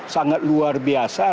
sangat luar biasa